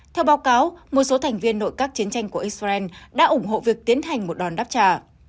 theo báo cáo một số thành viên nội các chiến tranh của israel đã ủng hộ việc tiến hành một đòn đáp trả